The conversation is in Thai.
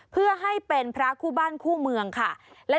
เพื่อให้เป็นพระคู่บ้านคู่เมืองค่ะ